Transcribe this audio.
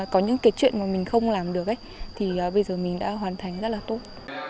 có những cái chuyện mà mình không làm được thì bây giờ mình đã hoàn thành rất là tốt